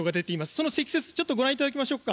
その積雪ちょっとご覧いただきましょうか。